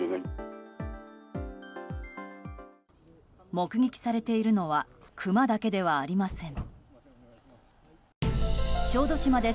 目撃されているのはクマだけではありません。